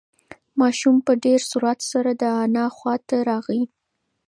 ماشوم په ډېر سرعت سره د انا خواته راغی.